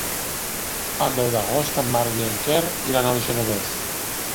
El deu d'agost en Marc i en Quer iran al Genovés.